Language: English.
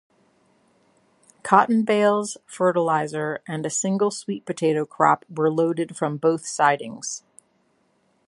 Cotton bales, fertilizer, and a single sweet potato crop were loaded from both sidings.